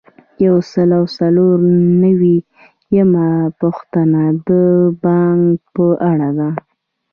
یو سل او څلور نوي یمه پوښتنه د بانک په اړه ده.